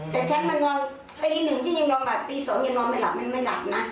แต่ฉันมานอนตีหนึ่งที่ยังนอนหลับตี๒ยังนอนไม่หลับยังไม่หลับนะ